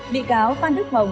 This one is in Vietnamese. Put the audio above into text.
bị cáo phan đức hồng